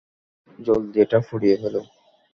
জলদি এটা পুড়িয়ে ফেলো।